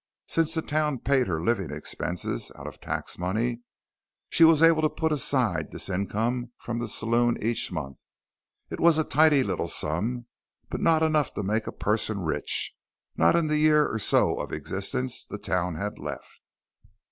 Since the town paid her living expenses out of tax money, she was able to put aside this income from the saloon each month. It was a tidy little sum but not enough to make a person rich not in the year or so of existence the town had left.